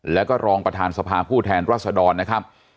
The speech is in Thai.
แล้วก็รองประธานสภาผู้แทนรัศดรนะครับ